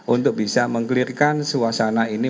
untuk bisa meng clearkan suasana ini